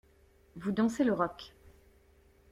Vous dansez le rock.